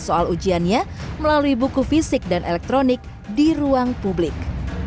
soal ujiannya melalui buku fisik dan elektronik di ruang publik